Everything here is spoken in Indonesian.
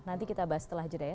nanti kita bahas setelah jeda ya